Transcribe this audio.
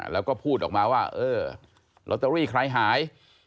แล้วก็พูดออกมาว่าเออลอตเตอรี่ใครหาย